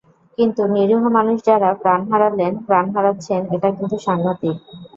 কিন্তু নিরীহ মানুষ যাঁরা প্রাণ হারালেন, প্রাণ হারাচ্ছেন, এটা কিন্তু সাংঘাতিক।